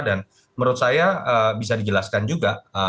dan menurut saya bisa dijelaskan juga